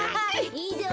いいぞ！